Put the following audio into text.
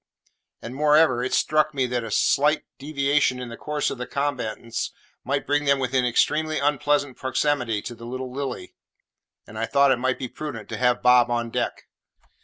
And, moreover, it struck me that a slight deviation in the course of the combatants might bring them within extremely unpleasant proximity to the little Lily, and I thought it might be prudent to have Bob on deck.